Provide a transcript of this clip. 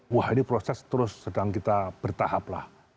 wah ini proses terus sedang kita bertahap lah